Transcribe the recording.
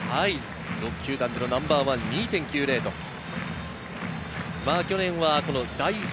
６球団でのナンバーワンの２．９０です。